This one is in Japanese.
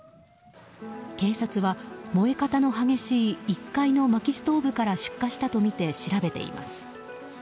警察は、燃え方の激しい１階のまきストーブから出火したとみて調べています。